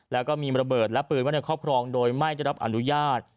แล้วก็มีระเบิดและปืนไว้ในครอบครองโดยไม่ได้รับอนุญาต